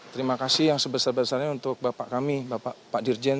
terima kasih yang sebesar besarnya untuk bapak kami bapak pak dirjen